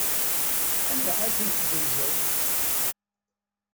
Anda ay ten-tessenzeḍ?